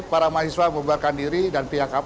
para mahasiswa membaharkan diri dan